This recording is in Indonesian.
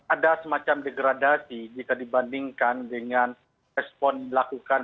ada semacam degradasi jika dibandingkan dengan respon dilakukan